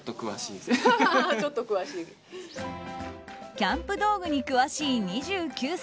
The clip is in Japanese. キャンプ道具に詳しい２９歳